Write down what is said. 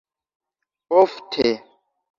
ofte